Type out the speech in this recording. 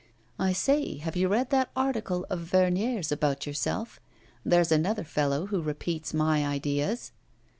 'I say, have you read that article of Vernier's about yourself? There's another fellow who repeats my ideas!